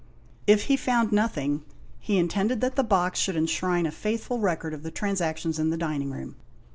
If he found nothing, he intended that the box should enshrine a faithful record of the transactions in the dining room.